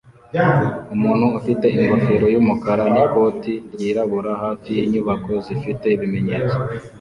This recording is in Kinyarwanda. Umuntu ufite ingofero yumukara n'ikoti ryirabura hafi yinyubako zifite ibimenyetso